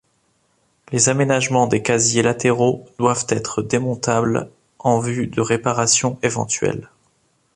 Les aménagements des casiers latéraux doivent être démontables en vue de réparations éventuelles.